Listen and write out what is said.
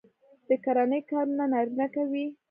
د کرنې کارونه نارینه کوي.